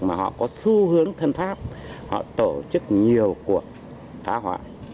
mà họ có xu hướng thân pháp họ tổ chức nhiều cuộc phá hoại